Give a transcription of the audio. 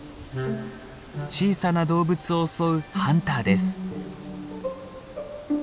小さな動物を襲うハンターです。